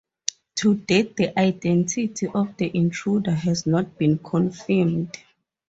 To date the identity of the intruder has not been confirmed.